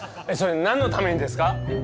それ何のためにですか？